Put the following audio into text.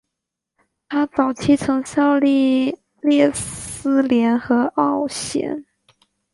他早期曾效力列斯联和奥咸。